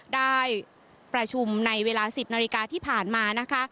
ได้ประชุมในเวลา๑๐นาฬิกาที่ผ่านมานะคะ